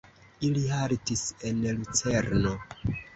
Ili haltis en Lucerno.